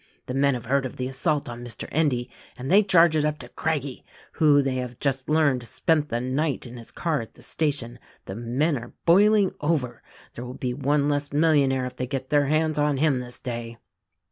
The men have heard of the assault on Mr. Endy and they charge it up to Craggie, who, they have just learned, spent the night in his car at the station. The men are boiling over; there will be one less millionaire if they get their hands on him this day."